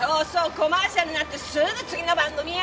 コマーシャルになってすぐ次の番組や！